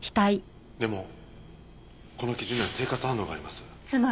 でもこの傷には生活反応があります。